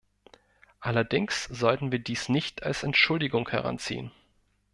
Allerdings sollten wir dies nicht als Entschuldigung heranziehen.